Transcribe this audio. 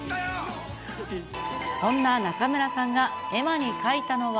そんな中村さんが絵馬に書いたのは。